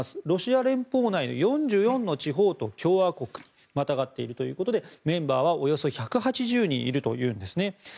ロシア連邦内の４４の地方と共和国にまたがっているということでメンバーはおよそ１８０人いるということなんですね。